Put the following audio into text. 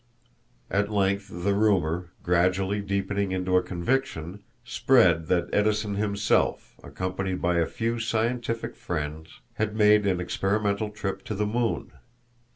At length the rumor, gradually deepening into a conviction, spread that Edison himself, accompanied by a few scientific friends, had made an experimental trip to the moon.